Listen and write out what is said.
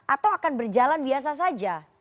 atau akan berjalan biasa saja